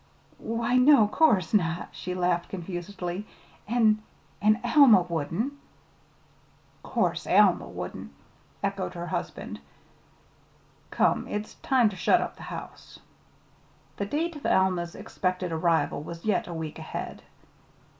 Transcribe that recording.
"Why, no, 'course not!" she laughed confusedly. "An' an' Alma wouldn't." "'Course Alma wouldn't," echoed her husband. "Come, it's time ter shut up the house." The date of Alma's expected arrival was yet a week ahead.